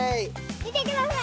見てください！